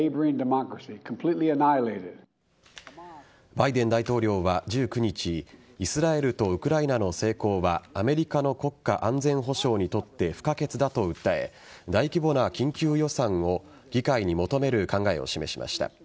バイデン大統領は１９日イスラエルとウクライナの成功はアメリカの国家安全保障にとって不可欠だと訴え大規模な緊急予算を議会に求める考えを示しました。